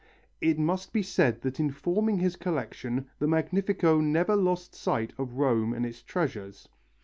It must be said that in forming his collection the Magnifico never lost sight of Rome and its treasures.